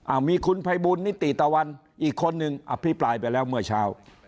มีคุณภัยบูลนิติตะวันอีกคนนึงอภิปรายไปแล้วเมื่อเช้า